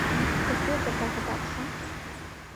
دەتەوێت دەرگاکە دابخەم؟